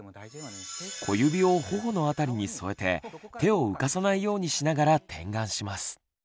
小指をほほの辺りに添えて手を浮かさないようにしながら点眼します。